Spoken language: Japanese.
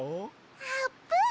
あーぷん！